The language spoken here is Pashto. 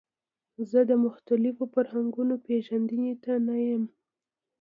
زه د مختلفو فرهنګونو پیژندنې ته نه یم.